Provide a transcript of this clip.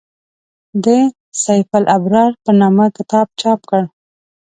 د «سیف الابرار» په نامه کتاب چاپ کړ.